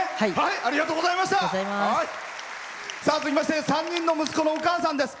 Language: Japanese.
続きまして３人の息子のお母さんです。